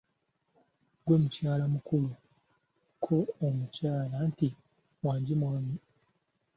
Ggwe mukyala mukulu," Ko omukyala nti:"wangi mwami"